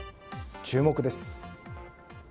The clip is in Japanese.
注目です。